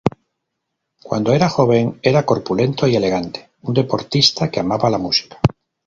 Cuando era joven, era corpulento y elegante, un deportista que amaba la música.